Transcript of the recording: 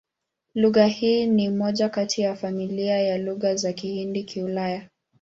Lugha hii ni moja kati ya familia ya Lugha za Kihindi-Kiulaya.